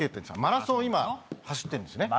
マラソンを今走ってるんですね